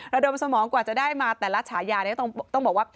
ระดมสมองกว่าจะได้มาแต่ละฉายานี้ต้องบอกว่า